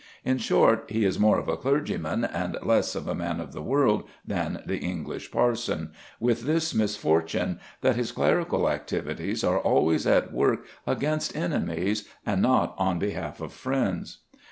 In short he is more of a clergyman and less of a man of the world than the English parson, with this misfortune, that his clerical activities are always at work against enemies and not on behalf of friends.